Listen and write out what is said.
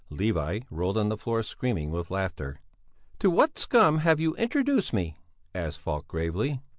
Levi rolled on the floor screaming with laughter. "To what scum have you introduced me?" asked Falk gravely.